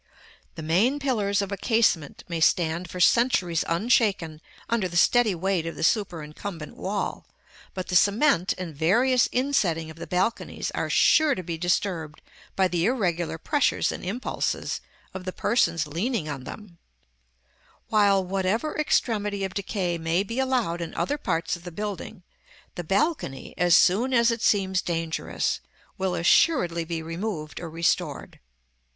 The main pillars of a casement may stand for centuries unshaken under the steady weight of the superincumbent wall, but the cement and various insetting of the balconies are sure to be disturbed by the irregular pressures and impulses of the persons leaning on them; while, whatever extremity of decay may be allowed in other parts of the building, the balcony, as soon as it seems dangerous, will assuredly be removed or restored.